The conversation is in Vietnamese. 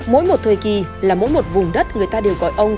mỗi một thời kỳ là mỗi một vùng đất người ta đều gọi ông